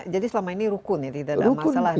jadi selama ini rukun ya tidak ada masalah